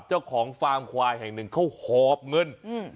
เจ้าของควายแห่งหนึ่งเขาหอบเงิน